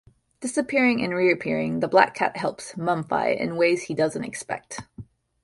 Disappearing and reappearing the black cat helps Mumfie in ways he doesn't expect.